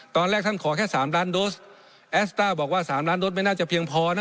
ตอนแรกท่านขอแค่๓ล้านโดสแอสต้าบอกว่า๓ล้านโดสไม่น่าจะเพียงพอนะ